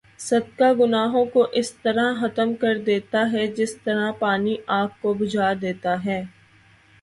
صدقہ گناہوں کو اس طرح ختم کر دیتا ہے جس طرح پانی آگ کو بھجا دیتا ہے